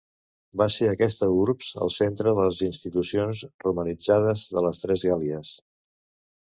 Va ser aquesta urbs el centre de les institucions romanitzades de les tres Gàl·lies.